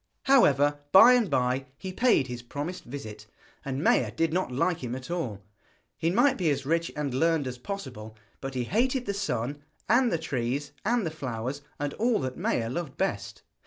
However, by and by he paid his promised visit, and Maia did not like him at all. He might be as rich and learned as possible, but he hated the sun, and the trees, and the flowers, and all that Maia loved best.